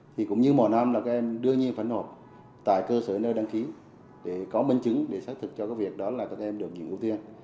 thì cũng như mùa năm là các em đương nhiên phải nộp tại cơ sở nơi đăng ký để có minh chứng để xét thực cho cái việc đó là các em được dựng ưu tiên